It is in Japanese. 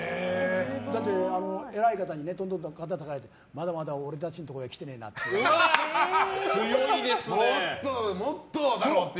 だって、偉い方に肩をたたかれてまだまだ俺たちのところに来てないなって言われて。